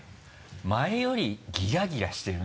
前よりギラギラしてる。